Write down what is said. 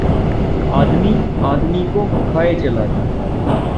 آدمی، آدمی کو کھائے چلا جاتا ہے